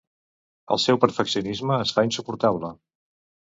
El seu perfeccionisme es fa insuportable.